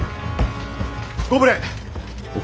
ご無礼。